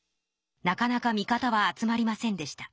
なかなか味方は集まりませんでした。